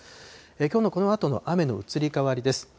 きょうのこのあとの雨の移り変わりです。